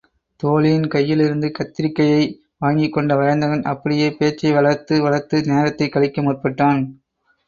தோழியின் கையிலிருந்து கத்தரிகையை வாங்கிக்கொண்ட வயந்தகன் அப்படியே பேச்சை வளர்த்து வளர்த்து நேரத்தைக் கழிக்க முற்பட்டான்.